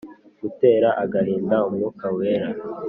Gutera agahinda umwuka wera